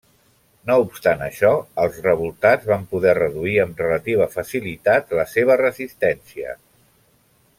No obstant això, els revoltats van poder reduir amb relativa facilitat la seva resistència.